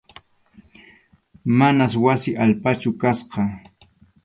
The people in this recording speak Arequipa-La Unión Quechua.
Manas wasi allpachu kasqa.